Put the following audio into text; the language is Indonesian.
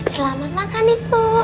selamat makan ibu